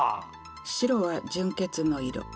白は純潔の色。